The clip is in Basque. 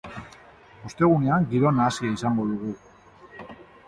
Ostegunean giro nahasia izango dugu.